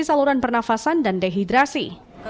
aluran pernafasan dan dehidrasi